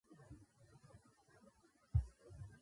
سرحدونه د افغانستان د تکنالوژۍ پرمختګ سره تړاو لري.